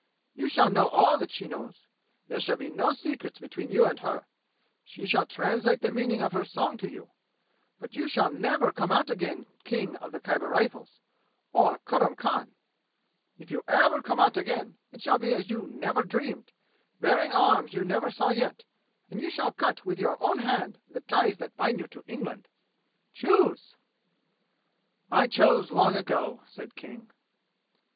You shall know all that she knows! There shall be no secrets between you and her! She shall translate the meaning of her song to you! But you shall never come out again King of the Khyber Rifles, or Kurram Khan! If you ever come out again, it shall be as you never dreamed, bearing arms you never saw yet, and you shall cut with your own hand the ties that bind you to England! Choose!" "I chose long ago," said King.